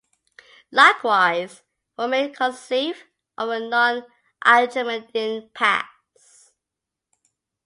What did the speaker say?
Likewise, one may conceive of a non-archimedean past.